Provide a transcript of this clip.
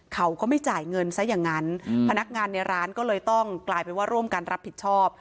เขาก็ไม่จ่ายเงินซะอย่างนั้นพนักงานในร้านก็เลยต้องกลายเป็นว่าร่วมกันรับผิดชอบ